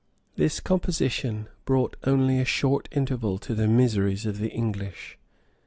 {997.} This composition brought only a short interval to the miseries of the English.